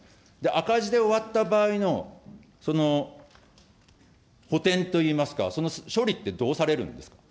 赤字で終わった場合の、その補填といいますか、その処理ってどうされるんですか。